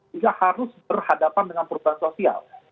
juga harus berhadapan dengan perubahan sosial